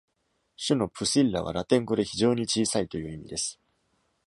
種の「pusilla」はラテン語で「非常に小さい」という意味です。